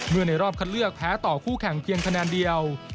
ในรอบคัดเลือกแพ้ต่อคู่แข่งเพียงคะแนนเดียว